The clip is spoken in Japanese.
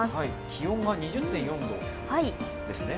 気温が２０．４度ですね。